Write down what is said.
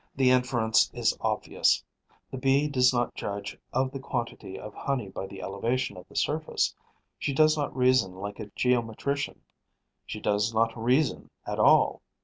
The inference is obvious: the Bee does not judge of the quantity of honey by the elevation of the surface; she does not reason like a geometrician, she does not reason at all.